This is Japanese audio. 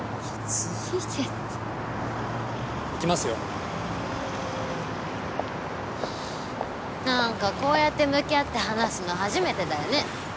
ついでって行きますよなんかこうやって向き合って話すの初めてだよね